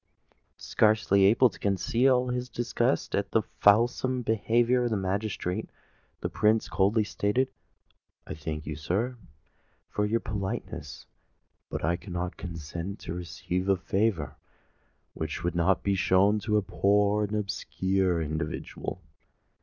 Scarcely able to conceal his disgust at this fulsome behaviour of the magistrate, the Prince coldly said, "I thank you, sir, for your politeness: but I cannot consent to receive a favour which would not be shown to a poor and obscure individual."